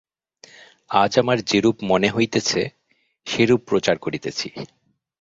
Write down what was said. আজ আমার যেরূপ মনে হইতেছে, সেরূপ প্রচার করিতেছি।